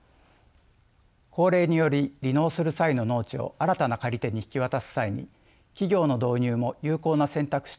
高齢により離農する際の農地を新たな借り手に引き渡す際に企業の導入も有効な選択肢となっています。